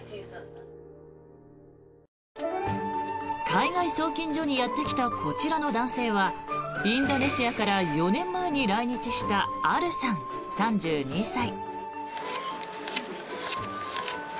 海外送金所にやってきたこちらの男性はインドネシアから４年前に来日したアルさん、３２歳。